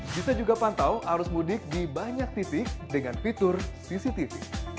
bisa juga pantau arus mudik di banyak titik dengan fitur cctv